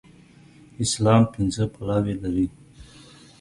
اسلام پينځه بلاوي لري.